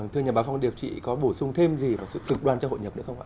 thưa nhà báo phòng điều trị có bổ sung thêm gì về sự cực đoan cho hội nhập nữa không ạ